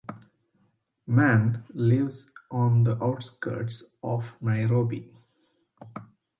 Mann lives on the outskirts of Nairobi.